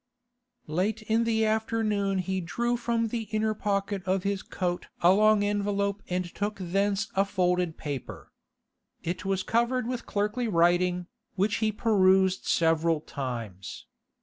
Late in the afternoon he drew from the inner pocket of his coat a long envelope and took thence a folded paper. It was covered with clerkly writing, which he perused several times.